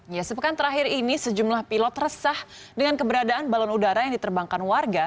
ya sepekan terakhir ini sejumlah pilot resah dengan keberadaan balon udara yang diterbangkan warga